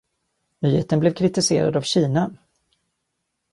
Nyheten blev kriticerad av Kina.